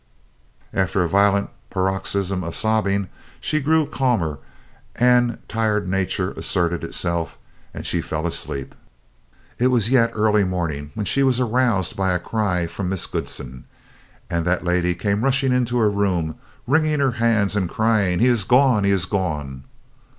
After a violent paroxysm of sobbing, she grew calmer, and tired nature asserted itself, and she fell asleep. It was yet early morning when she was aroused by a cry from Miss Goodsen, and that lady came rushing into her room, wringing her hands and crying, "He is gone! He is gone!"